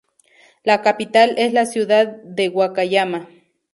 La capital es la ciudad de Wakayama.